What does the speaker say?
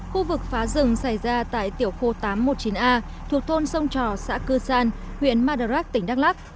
khu vực phá rừng xảy ra tại tiểu khu tám trăm một mươi chín a thuộc thôn sông trò xã cư san huyện madarak tỉnh đắk lắc